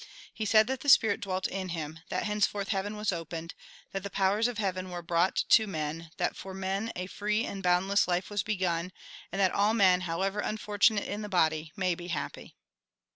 He said that the spirit dwelt in him, A RECAPITULATION 169 that henceforth heaven was opened, that the powers of heaven were brought to men, that for men a free and boundless life was begun, and that all men, however unfortunate in the body, may be happy.